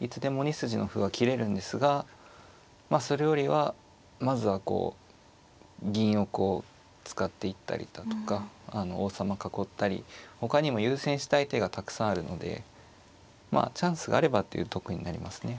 いつでも２筋の歩は切れるんですがまあそれよりはまずはこう銀をこう使っていったりだとか王様囲ったりほかにも優先したい手がたくさんあるのでまあチャンスがあればっていうとこになりますね。